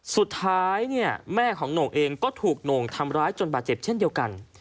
สุดท้ายเนี่ยแม่ของโหน่งเองก็ถูกโหน่งทำร้ายจนบาดเจ็บเช่นเดียวกัน